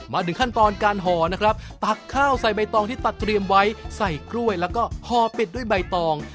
มาถึงขั้นตอนการห่อนะครับตักข้าวใส่ใบตองที่ตักเตรียมไว้ใส่กล้วยแล้วก็ห่อเป็ดด้วยใบตอง